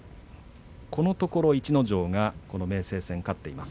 このところ逸ノ城がこの明生戦勝っています。